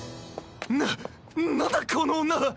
ななんだこの女！